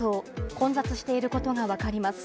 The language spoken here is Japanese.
混雑していることがわかります。